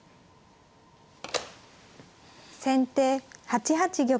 先手８八玉。